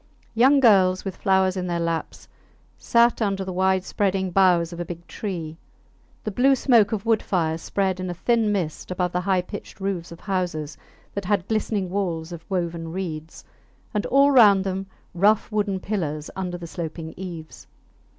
Young girls, with flowers in their laps, sat under the wide spreading boughs of a big tree. The blue smoke of wood fires spread in a thin mist above the high pitched roofs of houses that had glistening walls of woven reeds, and all round them rough wooden pillars under the sloping eaves.